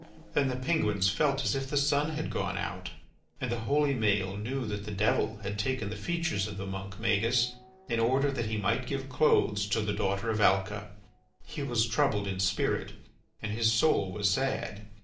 Then the penguins felt as if the sun had gone out. And the holy Maël knew that the Devil had taken the features of the monk, Magis, in order that he might give clothes to the daughter of Alca. He was troubled in spirit, and his soul was sad.